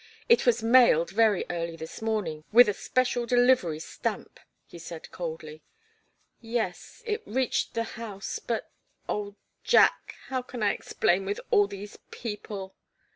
"It was mailed very early this morning, with a special delivery stamp," he said, coldly. "Yes, it reached the house but oh, Jack! How can I explain, with all these people?"